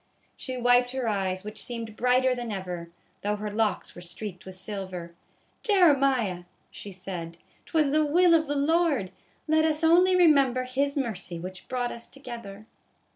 She wiped her eyes, which seemed brighter than ever, though her locks were streaked with silver. "Jeremiah," she said, "'twas the will of the Lord. Let us only remember His mercy, which brought us together."